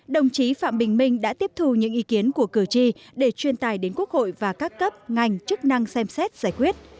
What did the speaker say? đồng chí phạm bình minh đã tiếp thù những ý kiến của cử tri để chuyên tài đến quốc hội và các cấp ngành chức năng xem xét giải quyết